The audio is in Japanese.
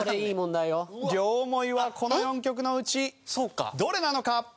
両思いはこの４曲のうちどれなのか？